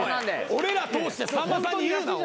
俺ら通してさんまさんに言うなお前。